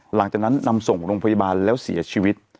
หลังจากนั้นนำส่งโรงพยาบาลแล้วเสียชีวิต